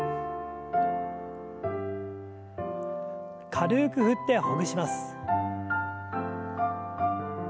軽く振ってほぐします。